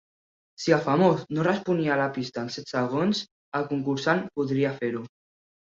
Si el famós no responia a la pista en set segons, el concursant podria fer-ho.